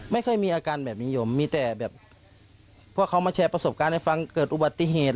ไม่เคยมีอาการแบบนี้ยมมีแต่แบบพวกเขามาแชร์ประสบการณ์ให้ฟังเกิดอุบัติเหตุ